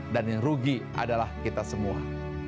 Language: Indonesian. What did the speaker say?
dan yang rugi adalah kita semua